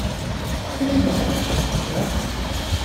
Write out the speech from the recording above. Pretty well, thank you, sir.